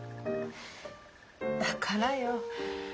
だからよ。